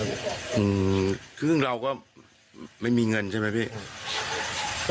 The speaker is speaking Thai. เพราะมันที่มีประกันบ่๗๓บาท